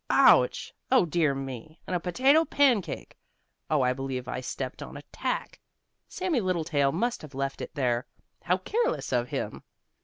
Ouch! Oh, dear me and a potato pancake! Oh, I believe I stepped on a tack! Sammie Littletail must have left it there! How careless of him!"